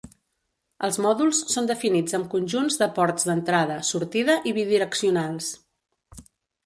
Els mòduls són definits amb conjunts de ports d'entrada, sortida i bidireccionals.